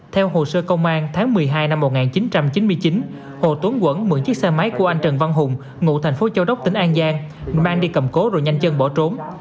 theo hồ sơ công an tháng một mươi hai năm một nghìn chín trăm chín mươi chín hồ tốn quẩn mượn chiếc xe máy của anh trần văn hùng ngụ thành phố châu đốc tỉnh an giang mang đi cầm cố rồi nhanh chân bỏ trốn